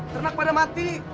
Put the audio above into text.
ternak pada mati